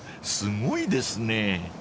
［すごいですね］